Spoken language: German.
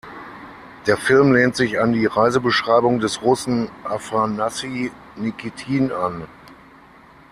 Der Film lehnt sich an die Reisebeschreibung des Russen Afanassi Nikitin an.